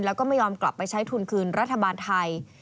แล้วก็ไม่ยอมกลับไปใช้ทุนคืนรัฐบาลไทย